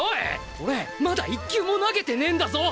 俺まだ１球も投げてねえんだぞ！